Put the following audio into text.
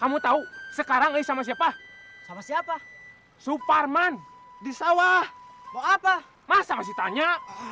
hai kamu tahu sekarang ini sama siapa sama siapa suparman di sawah mau apa masa masih tanya